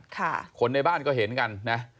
ค่ะคนในบ้านก็เห็นกัน